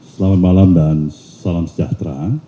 selamat malam dan salam sejahtera